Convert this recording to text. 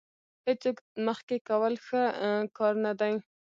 هېڅوک مخکې کول ښه کار نه دی.